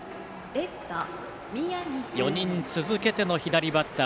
４人続けての左バッター